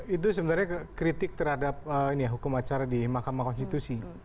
itu sebenarnya kritik terhadap hukum acara di mahkamah konstitusi